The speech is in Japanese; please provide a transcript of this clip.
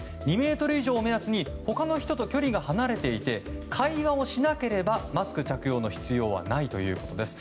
２ｍ以上を目安に他の人と距離が離れていて会話をしなければマスク着用の必要はないということです。